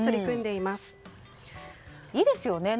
いいですよね。